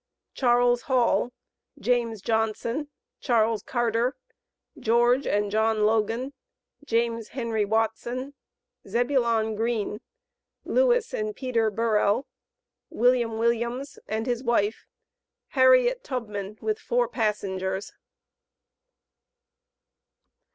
CHARLES HALL, JAMES JOHNSON, CHARLES CARTER, GEORGE, AND JOHN LOGAN, JAMES HENRY WATSON, ZEBULON GREEN, LEWIS, AND PETER BURRELL, WILLIAM WILLIAMS, AND HIS WIFE HARRIET TUBMAN, WITH FOUR PASSENGERS.